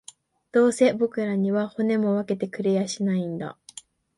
どうせ僕らには、骨も分けてくれやしないんだ